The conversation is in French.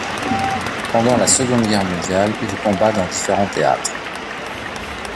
Pendant la Seconde Guerre mondiale, il combat dans différents théâtres.